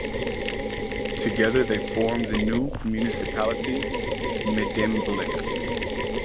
Together they form the new municipality Medemblik.